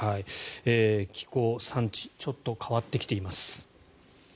気候、産地ちょっと変わってきています。